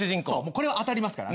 これは当たりますから。